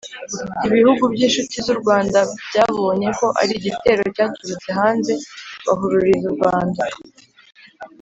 ibihugu by'inshuti z'u rwanda byabonye ko ari igitero cyaturutse hanze bahururiza u rwanda